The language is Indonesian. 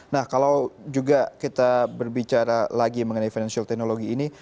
nah kalau juga kita berbicara lagi mengenai financial technology ini